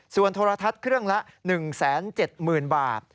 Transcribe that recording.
ส่วนโทรทัศน์เครื่องละ๑๗๐๐๐บาท